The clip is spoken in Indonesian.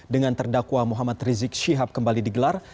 dengan terdakwa muhammad rizik syihab kembali digelar